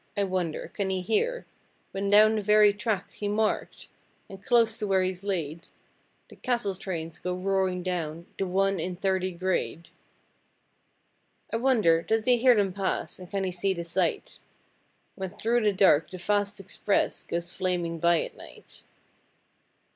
I wonder can he hear When down the very track he marked, and close to where he's laid, The cattle trains go roaring down the one in thirty grade. I wonder does he hear them pass and can he see the sight, When through the dark the fast express goes flaming by at night.